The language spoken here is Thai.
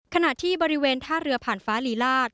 ขณะที่บริเวณท่าเรือผ่านฟ้าลีลาศ